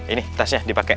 ini tasnya dipake